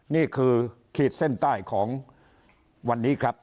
นี่คือขีดเส้นใต้ของวันนี้ครับ